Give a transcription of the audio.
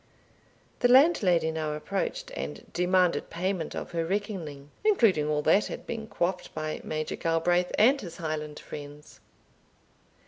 The landlady now approached, and demanded payment of her reckoning, including all that had been quaffed by Major Galbraith and his Highland friends.